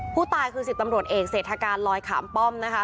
ผู้ตายคือ๑๐ตำรวจเอกเศรษฐการลอยขามป้อมนะคะ